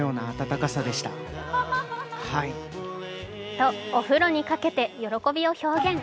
とお風呂にかけて喜びを表現。